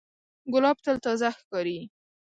ګلاب تل تازه ښکاري.